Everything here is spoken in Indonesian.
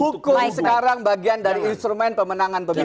hukum sekarang bagian dari instrumen pemenangan pemilu